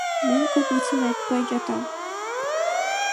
Мен көп нерсени айтпай жатам.